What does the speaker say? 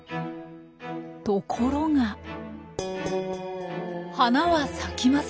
ところが花は咲きませんでした。